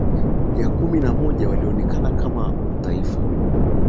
ya kumi na moja walionekana kama utaifa